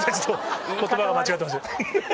言葉が間違ってました。